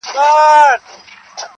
شاهدان مي سره ګلاب او پسرلي دي,